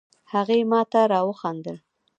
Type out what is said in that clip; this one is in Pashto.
هغې ماته را وخندل